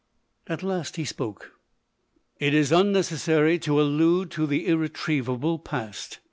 At last he spoke. " It is unnecessary to allude to the irretrievable past.